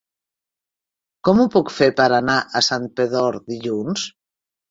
Com ho puc fer per anar a Santpedor dilluns?